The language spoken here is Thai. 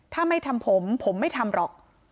ถ้าไม่ทำผมผมไม่ทำหรอก